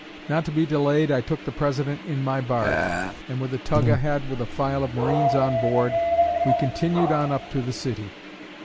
Not to be delayed, I took the President in my barge, and with a tug ahead with a file of marines on board we continued on up to the city.